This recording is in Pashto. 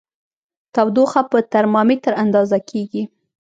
تودوخه په ترمامیتر اندازه کېږي.